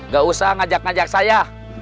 gak usah ngajak ngajak saya